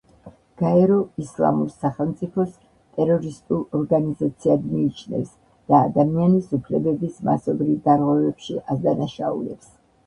გაერო ისლამურ სახელმწიფოს ტერორისტულ ორგანიზაციად მიიჩნევს და ადამიანის უფლებების მასობრივ დარღვევებში ადანაშაულებს.